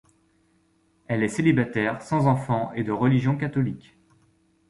Elle est célibataire, sans enfants, et de religion catholique.